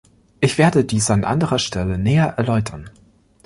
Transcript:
Ich werde dies an anderer Stelle näher erläutern.